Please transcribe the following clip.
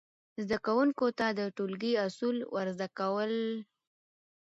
زده کوونکو ته د ټولګي اصول ور زده کول،